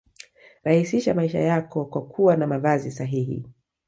Rahisisha maisha yako kwa kuwa na mavazi sahihi